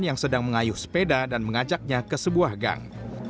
yang sedang mengayuh sepeda dan mengajaknya ke sebuah gang